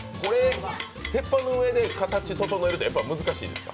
鉄板の上で形を整えるって難しいんですか？